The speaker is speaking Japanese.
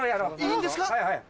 いいんですか？